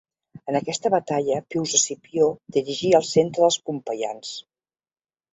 En aquesta batalla Pius Escipió dirigia el centre dels pompeians.